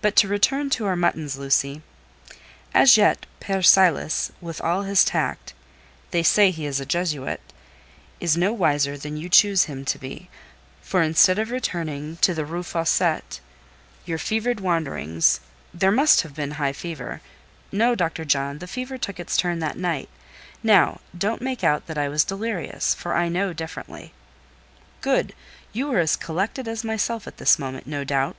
"But to return to our muttons, Lucy. As yet, Père Silas, with all his tact (they say he is a Jesuit), is no wiser than you choose him to be; for, instead of returning to the Rue Fossette, your fevered wanderings—there must have been high fever—" "No, Dr. John: the fever took its turn that night—now, don't make out that I was delirious, for I know differently." "Good! you were as collected as myself at this moment, no doubt.